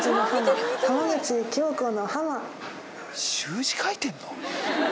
習字書いてんの？